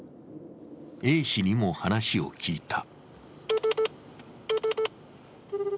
Ａ氏にも話を聞いた。